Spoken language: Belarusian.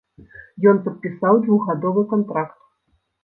Ён падпісаў двухгадовы кантракт.